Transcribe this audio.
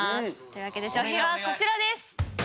というわけで賞品はこちらです！